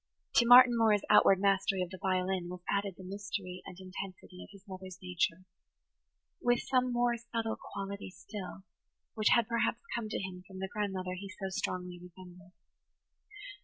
To Martin Moore's outward mastery of the violin was added the mystery and intensity of his mother's nature, with some more subtle quality still, which had perhaps come to him from the grandmother he so strongly resembled.